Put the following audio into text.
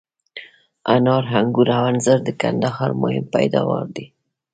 انار، آنګور او انځر د کندهار مهم پیداوار دي.